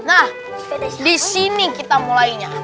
nah di sini kita mulainya